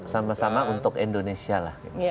sama sama untuk indonesia lah